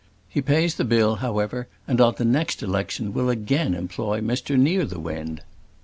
He pays the bill, however, and on the next election will again employ Mr Nearthewinde.